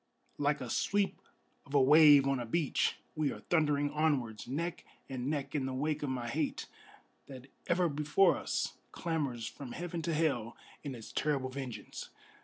Like a sweep of a wave on a beach we are thundering onwards, Neck and neck in the wake of my hate, that ever before us Clamors from heaven to hell in its terrible vengeance!